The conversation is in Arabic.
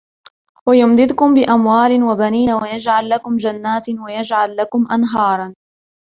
وَيُمْدِدْكُمْ بِأَمْوَالٍ وَبَنِينَ وَيَجْعَلْ لَكُمْ جَنَّاتٍ وَيَجْعَلْ لَكُمْ أَنْهَارًا